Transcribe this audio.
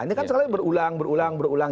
ini kan sekali berulang berulang berulang